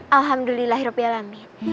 alhamdulillah hiropya lamit